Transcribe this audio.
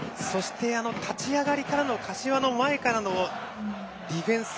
立ち上がりからの柏の前からのディフェンス。